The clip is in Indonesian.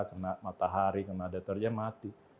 kena matahari kena deterjen mati